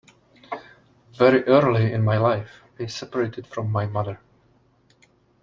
Very early in my life, I separated from my mother.